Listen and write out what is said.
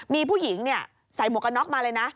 มีผู้หญิงใส่หมวกกันน็อกมาเลยนะ